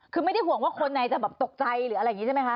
คือไม่ได้ห่วงว่าคนในจะแบบตกใจหรืออะไรอย่างนี้ใช่ไหมคะ